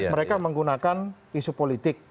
mereka menggunakan isu politik